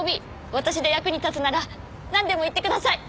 私で役に立つならなんでも言ってください！